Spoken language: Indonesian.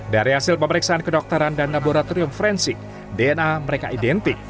dari hasil pemeriksaan kedokteran dan laboratorium forensik dna mereka identik